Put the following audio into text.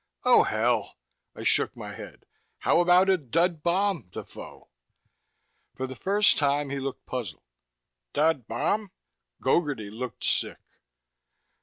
"Oh, hell!" I shook my head. "How about a dud bomb, Defoe?" For the first time he looked puzzled. "Dud bomb?" Gogarty looked sick.